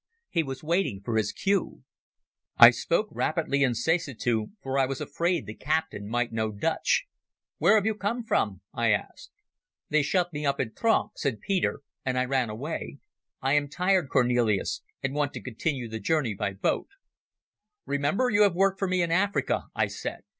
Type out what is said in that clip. He was waiting for his cue. I spoke rapidly in Sesutu, for I was afraid the captain might know Dutch. "Where have you come from?" I asked. "They shut me up in tronk," said Peter, "and I ran away. I am tired, Cornelis, and want to continue the journey by boat." "Remember you have worked for me in Africa," I said.